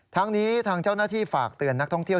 ทั้งนี้ทางเจ้าหน้าที่ฝากเตือนนักท่องเที่ยว